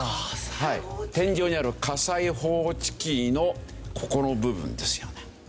天井にある火災報知器のここの部分ですよね。